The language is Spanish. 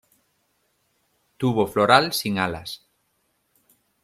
Tubo floral sin alas.